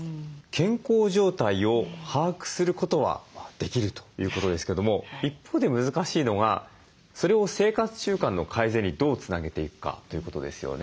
健康状態を把握することはできるということですけども一方で難しいのがそれを生活習慣の改善にどうつなげていくかということですよね。